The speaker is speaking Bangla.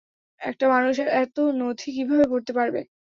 একটা মানুষ এতো নথি কীভাবে পড়তে পারবে?